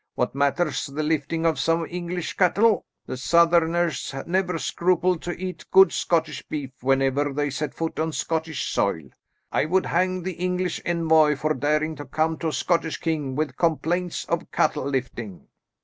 What matters the lifting of some English cattle? The Southerners never scrupled to eat good Scottish beef whenever they set foot on Scottish soil. I would hang the English envoy for daring to come to a Scottish king with complaints of cattle lifting."